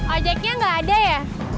ojeknya gak ada ya